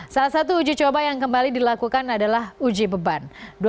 salah satu uji coba yang kembali dilakukan adalah uji beban